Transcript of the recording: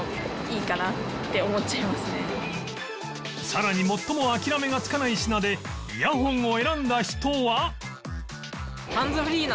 さらに最も諦めがつかない品でイヤホンを選んだ人は